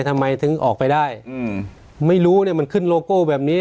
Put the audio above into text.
ทำไมถึงออกไปได้อืมไม่รู้เนี่ยมันขึ้นโลโก้แบบนี้